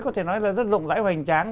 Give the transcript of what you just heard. có thể nói là rất rộng rãi hoành tráng